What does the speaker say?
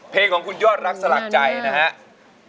เพลงของคุณยอดรักสลักใจนะครับ